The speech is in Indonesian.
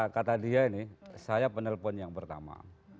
kata dia ini saya penelpon yang pertama